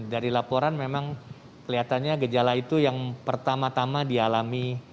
dari laporan memang kelihatannya gejala itu yang pertama tama dialami